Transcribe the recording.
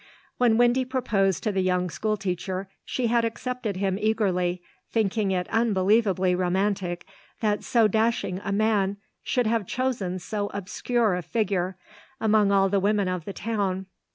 When Windy proposed to the young school teacher she had accepted him eagerly, thinking it unbelievably romantic that so dashing a man should have chosen so obscure a figure among all the women of the town.